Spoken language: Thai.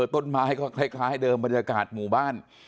ต้นไม้ก็คล้ายเดิมบรรยากาศหมู่บ้าน